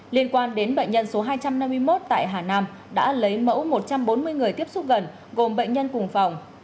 liên quan đến bệnh nhân số hai trăm năm mươi một tại hà nam đã lấy mẫu một trăm bốn mươi người tiếp xúc gần gồm bệnh nhân cùng phòng